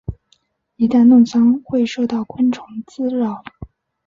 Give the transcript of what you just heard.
一旦弄脏会受到昆虫滋扰。